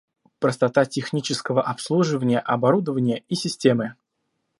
Простота технического обслуживания оборудования и системы